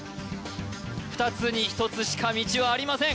２つに１つしか道はありません